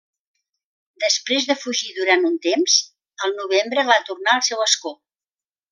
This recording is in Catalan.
Després de fugir durant un temps, el novembre va tornar al seu escó.